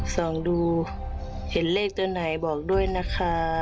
ส่องดูเห็นเลขตัวไหนบอกด้วยนะคะ